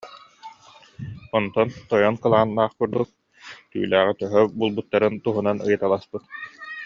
Онтон тойон кылааннаах күндү түүлээҕи төһө булбуттарын туһунан ыйыталаспыт